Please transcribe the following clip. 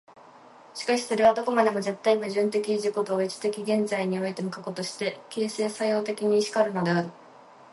しかしそれはどこまでも絶対矛盾的自己同一的現在においての過去として、形成作用的に然るのである。